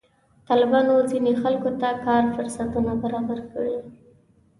طالبانو ځینې خلکو ته کار فرصتونه برابر کړي.